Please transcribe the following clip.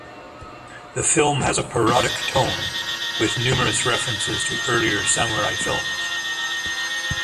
The film has a parodic tone, with numerous references to earlier samurai films.